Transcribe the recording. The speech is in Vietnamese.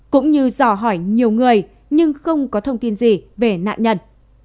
cũng như dò hỏi nhiều người nhưng không có thông tin gì về nạn nhân